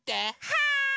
はい！